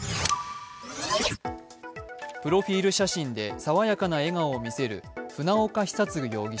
プロフィール写真で爽やかな笑顔を見せる船岡久嗣容疑者